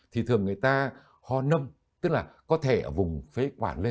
thì thường người ta ho nông tức là có thể ở vùng phế quản lê